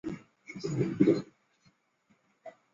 并完整地显示了教学法理论的教育学基础。